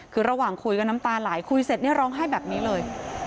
คือระหว่างคุยก็น้ำตาไหลคุยเสร็จเนี่ยร้องไห้แบบนี้เลย